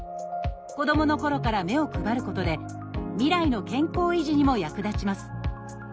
子どものころから目を配ることで未来の健康維持にも役立ちます。